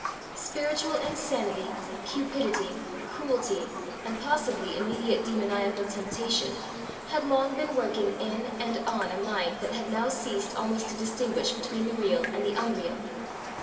Spiritual insanity, cupidity, cruelty, and possibly immediate demoniacal temptation had long been working in and on a mind that had now ceased almost to distinguish between the real and the unreal.